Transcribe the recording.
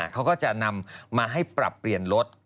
เขาก็จะนำมาให้ปรับเปลี่ยนรถ